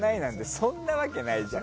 そんなわけないじゃん。